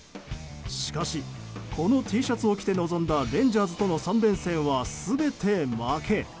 しかしこのＴシャツを着て臨んだレンジャーズとの３連戦は全て負け。